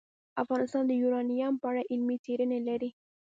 افغانستان د یورانیم په اړه علمي څېړنې لري.